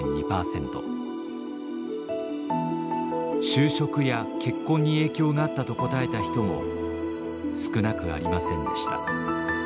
就職や結婚に影響があったと答えた人も少なくありませんでした。